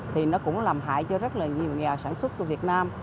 thì nó cũng làm hại cho rất là nhiều nhà sản xuất của việt nam